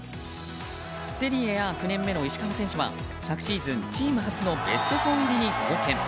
セリエＡ９年目の石川選手は昨シーズン、チーム初のベスト４入りに貢献。